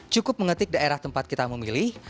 cukup mengetik daerah tempat kita memilih